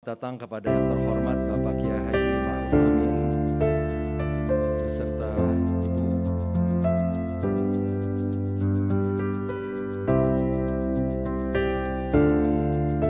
selamat datang kepada yang terhormat bapak kiai haji pak al kamil beserta ibu